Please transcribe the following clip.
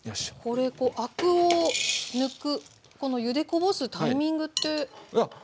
これこうアクを抜くこのゆでこぼすタイミングってどのくらい？